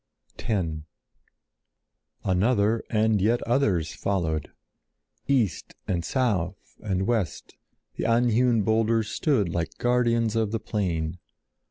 X Another and yet others followed. East and South and West the unhewn boulders stood like guardians of the plain.